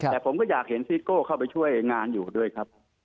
แต่ผมก็อยากเห็นซิโก้เข้าไปช่วยงานอยู่ด้วยครับ